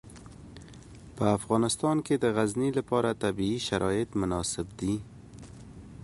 په افغانستان کې د غزني لپاره طبیعي شرایط مناسب دي.